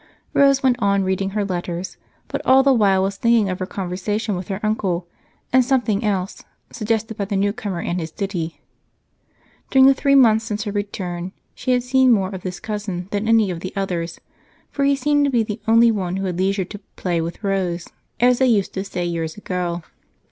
Rose went on reading her letters, but all the while was thinking of her conversation with her uncle as well as something else suggested by the newcomer and his ditty. During the three months since her return she had seen more of this cousin than any of the others, for he seemed to be the only one who had leisure to "play with Rose," as they used to say years ago.